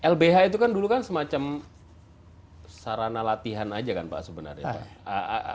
lbh itu kan dulu semacam sarana latihan saja pak sebenarnya